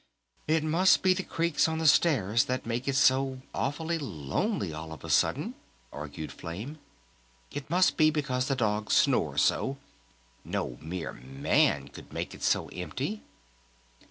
"It must be the creaks on the stairs that make it so awfully lonely all of a sudden," argued Flame. "It must be because the dogs snore so.... No mere man could make it so empty."